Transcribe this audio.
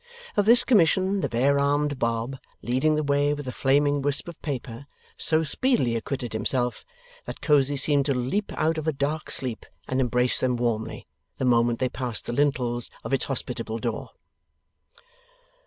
Of this commission the bare armed Bob, leading the way with a flaming wisp of paper, so speedily acquitted himself, that Cosy seemed to leap out of a dark sleep and embrace them warmly, the moment they passed the lintels of its hospitable door.